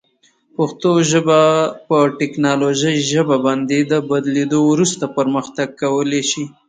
پښتو ژبه تکنالوژي ژبې باندې بدلیدو وروسته پرمختګ کولی شي.